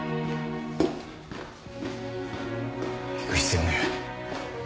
行く必要はねえ。